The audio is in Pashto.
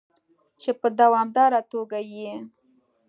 چې په دوامداره توګه یې